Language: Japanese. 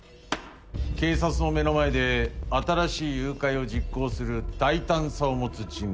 警察の目の前で新しい誘拐を実行する大胆さを持つ人物。